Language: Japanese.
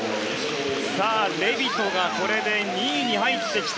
さあ、レビトがこれで２位に入ってきた。